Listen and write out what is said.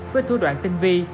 với thủ đoạn tinh vi